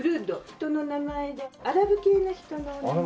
人の名前でアラブ系の人の名前で。